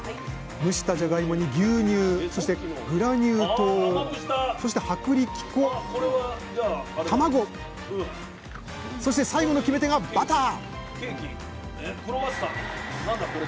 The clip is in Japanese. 蒸したじゃがいもに牛乳グラニュー糖薄力粉卵そして最後の決め手がバター！